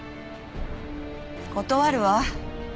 断るわ。